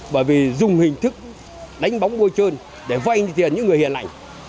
bởi vì dùng hình thức đánh bóng vôi trơn để vay tiền những người hiền ảnh